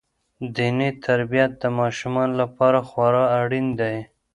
دیني تربیت د ماشومانو لپاره خورا اړین دی.